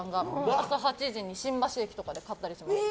朝８時に新橋駅とかで買ったりします。